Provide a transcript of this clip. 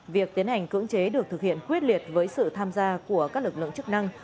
việc tiến hành cưỡng chế được thực hiện quyết liệt với sự tham gia của các lực lượng chức năng